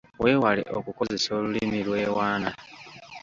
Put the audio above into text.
Weewale okukozesa olulimi lwewaana.